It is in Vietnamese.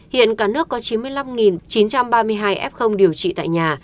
hiện cả nước có chín mươi năm chín trăm ba mươi hai f điều trị tại nhà